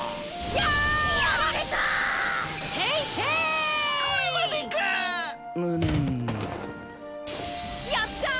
やった！